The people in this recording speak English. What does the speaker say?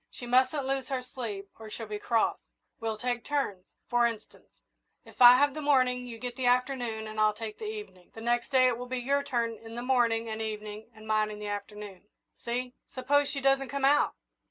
She mustn't lose her sleep, or she'll be cross. We'll take turns. For instance, if I have the morning, you get the afternoon, and I'll take the evening. The next day it will be your turn in the morning and evening, and mine in the afternoon see?" "Suppose she doesn't come out?"